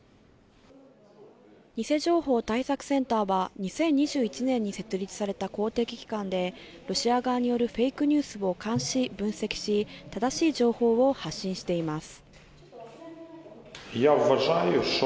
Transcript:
偽情報対策センターは、２０２１年に設立された公的機関でロシア側によるフェイクニュースを監視・分析し、正しい情報を発信しています。